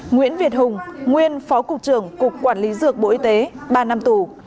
nguyễn việt hùng nguyên phó cục trưởng cục quản lý dược bộ y tế ba năm tù